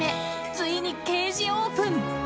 ついにケージオープン。